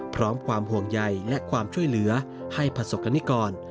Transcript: พร้อมความห่วงใยและความช่วยเหลือให้ประสบกรณิกร